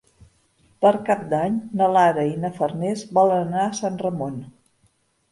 Per Cap d'Any na Lara i na Farners volen anar a Sant Ramon.